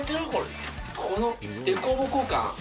この凸凹感。